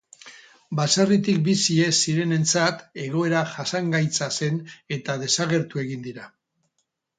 Baserritik bizi ez zirenentzat egoera jasangaitza zen eta desagertu egin dira.